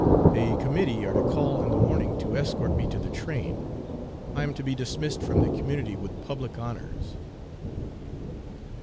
A committee are to call in the morning to escort me to the train. I am to be dismissed from the community with public honors."